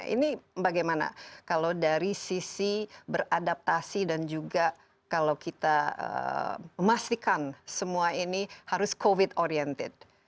ini bagaimana kalau dari sisi beradaptasi dan juga kalau kita memastikan semua ini harus covid oriented